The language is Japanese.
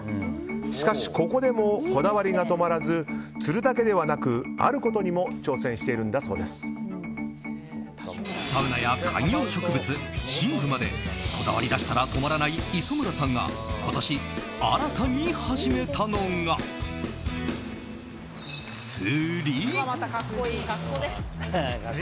しかしここでもこだわりが止まらず釣るだけではなくあることにもサウナや観葉植物、寝具までこだわりだしたら止まらない磯村さんが今年、新たに始めたのが釣り。